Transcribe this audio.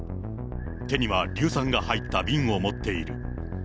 手には硫酸が入った瓶を持っている。